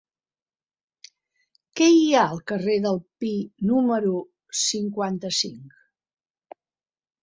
Què hi ha al carrer del Pi número cinquanta-cinc?